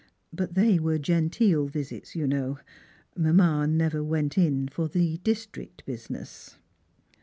But they were genteel visits, you know. Mamma never went in for the district business."